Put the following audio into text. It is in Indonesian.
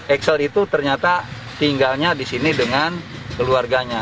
axel itu ternyata tinggalnya di sini dengan keluarganya